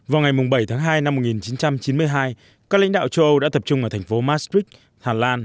vào ngày bảy tháng hai năm một nghìn chín trăm chín mươi hai các lãnh đạo châu âu đã tập trung ở thành phố masbrik hà lan